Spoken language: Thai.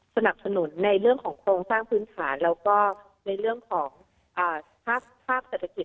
สนับสนุนในเรื่องของโครงสร้างพื้นฐานแล้วก็ในเรื่องของภาคเศรษฐกิจ